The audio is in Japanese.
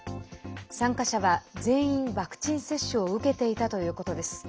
参加者は、全員ワクチン接種を受けていたということです。